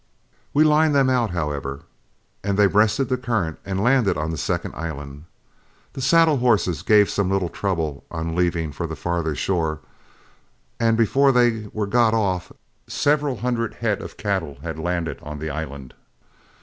We lined them out, however, and they breasted the current, and landed on the second island. The saddle horses gave some little trouble on leaving for the farther shore, and before they were got off, several hundred head of cattle had landed on the island.